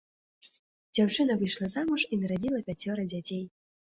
Дзяўчына выйшла замуж і нарадзіла пяцёра дзяцей.